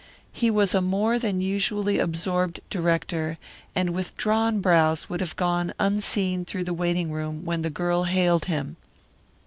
He was a more than usually absorbed director, and with drawn brows would have gone unseeing through the waiting room when the girl hailed him.